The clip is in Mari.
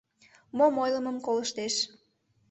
Мом ойлымым колыштеш.